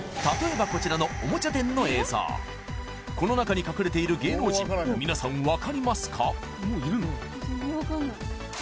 たとえばこちらのおもちゃ店の映像この中に隠れている芸能人皆さん分かりますか？